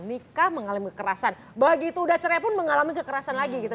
nikah mengalami kekerasan begitu udah cerai pun mengalami kekerasan lagi gitu